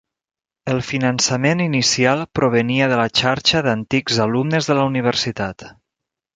El finançament inicial provenia de la xarxa d'antics alumnes de la universitat.